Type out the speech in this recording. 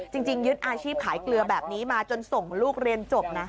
ยึดอาชีพขายเกลือแบบนี้มาจนส่งลูกเรียนจบนะ